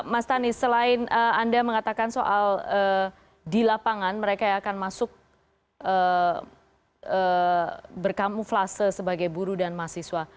mas tani selain anda mengatakan soal di lapangan mereka yang akan masuk berkamuflase sebagai guru dan mahasiswa